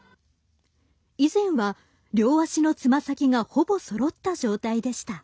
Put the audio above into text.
以前は両足のつま先がほぼそろった状態でした。